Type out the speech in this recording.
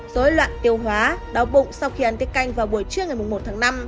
dối loạn tiêu hóa đau bụng sau khi ăn tiết canh vào buổi trưa ngày một tháng năm